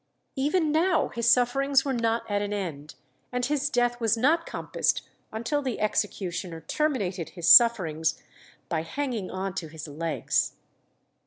Even now his sufferings were not at an end, and his death was not compassed until the executioner terminated his sufferings by hanging on to his legs.